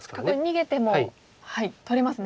逃げても取れますね。